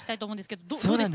どうでした？